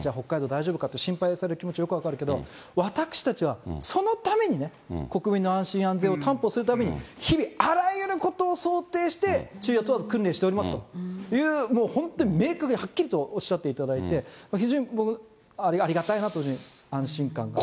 大丈夫かって心配をされる気持ち、よく分かるけど、私たちはそのためにね、国民の安心安全を担保するために日々あらゆることを想定して、昼夜問わず訓練しておりますと、本当に明確に、はっきりとおっしゃっていただいて、非常に僕、ありがたいなというふうに安心感が。